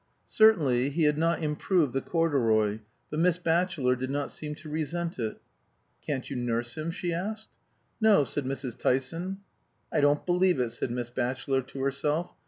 Certainly he had not improved the corduroy, but Miss Batchelor did not seem to resent it. "Can't you nurse him?" she asked. "No," said Mrs. Nevill Tyson. "I don't believe it," said Miss Batchelor to herself.